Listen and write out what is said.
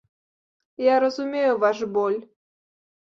Я разумею ваш боль.